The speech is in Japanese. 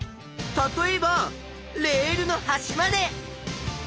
例えばレールのはしまで！